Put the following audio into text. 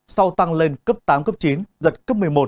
sau tăng lên cấp tám cấp chín giật cấp một mươi một